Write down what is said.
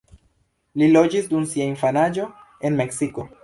Li loĝis dum sia infanaĝo en Meksiko.